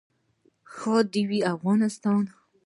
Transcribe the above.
ښاد دې وي افغانستان.